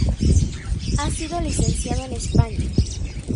Ha sido licenciado en España.